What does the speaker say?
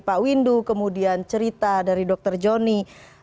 pak windu cerita dari dokter jonny